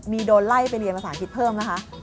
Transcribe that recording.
มีโดนไล่ไปเรียนภาษาอังกฤษเพิ่มไหมคะ